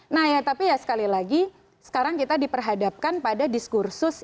nah ya tapi ya sekali lagi sekarang kita diperhadapkan pada diskursus